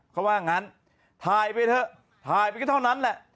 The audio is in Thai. ก็ว่างั้นไทยไปเถอะพายไปก็เท่านั้นแหละ